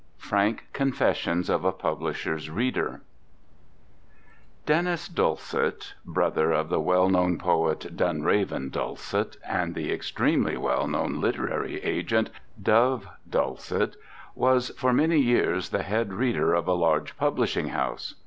FRANK CONFESSIONS OF A PUBLISHER'S READER [Denis Dulcet, brother of the well known poet Dunraven Dulcet and the extremely well known literary agent Dove Dulcet, was for many years the head reader for a large publishing house.